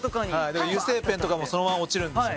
油性ペンとかもそのまま落ちるんですよね。